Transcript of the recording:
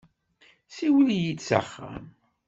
Siwel-iyi-d s axxam.